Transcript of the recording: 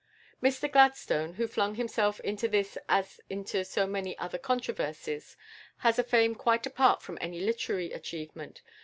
Mr Gladstone, who flung himself into this as into so many other controversies, has a fame quite apart from any literary achievement.